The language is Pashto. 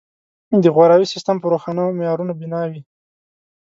د غوراوي سیستم په روښانو معیارونو بنا وي.